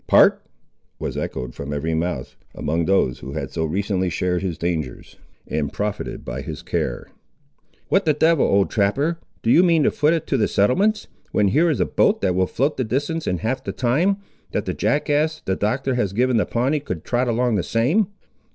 "Part!" was echoed from every mouth, among those who had so recently shared his dangers, and profited by his care. "What the devil, old trapper, do you mean to foot it to the settlements, when here is a boat that will float the distance in half the time, that the jackass, the Doctor has given the Pawnee, could trot along the same."